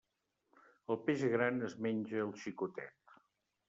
El peix gran es menja al xicotet.